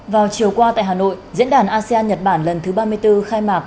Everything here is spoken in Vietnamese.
vào chiều qua tại hà nội diễn đàn asean nhật bản lần thứ ba mươi bốn khai mạc